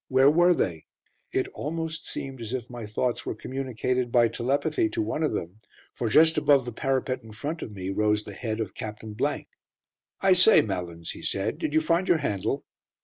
Where were they? It almost seemed as if my thoughts were communicated by telepathy to one of them, for just above the parapet in front of me rose the head of Captain . "I say, Malins," he said, "did you find your handle?"